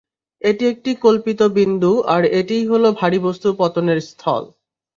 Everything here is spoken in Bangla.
এটি একটি কল্পিত বিন্দু আর এটিই হলো ভারি বস্তু পতনের স্থল।